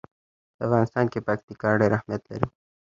په افغانستان کې پکتیکا ډېر اهمیت لري.